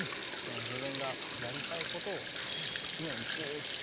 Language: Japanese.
自分がやりたいことを常にずっと。